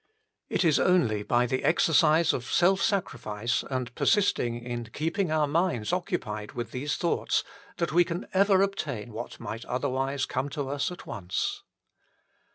It is only by the exercise of self sacrifice and persist ing in keeping our minds occupied with these thoughts, that we can ever obtain what might otherwise come to us at once.